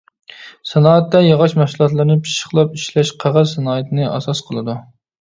سانائەتتە ياغاچ مەھسۇلاتلىرىنى پىششىقلاپ ئىشلەش، قەغەز سانائىتىنى ئاساس قىلىدۇ.